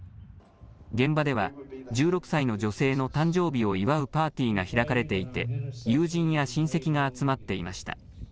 現場では１６歳の女性の誕生日を祝うパーティーが開かれていて友人や親戚が集まっていました。